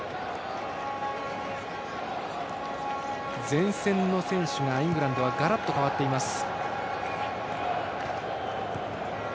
前線の選手がイングランドはガラッと変わっています。